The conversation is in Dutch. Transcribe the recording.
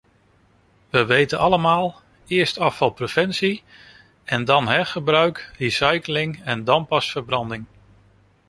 We weten allemaal: eerst afvalpreventie en dan hergebruik, recycling en dan pas verbranding.